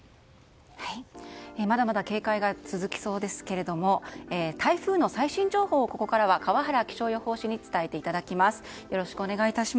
まだまだ警戒が続きそうですがここからは台風の最新情報を川原気象予報士に伝えていただきます。